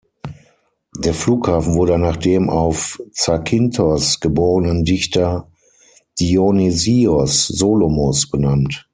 Der Flughafen wurde nach dem auf Zakynthos geborenen Dichter Dionysios Solomos benannt.